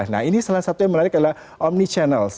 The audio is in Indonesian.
nah ini salah satu yang menarik adalah omni channel